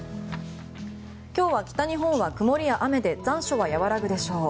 今日は北日本は曇りや雨で残暑が和らぐでしょう。